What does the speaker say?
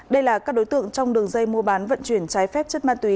đây là các đối tượng trong đường dây mua bán vận chuyển trái phép chất ma túy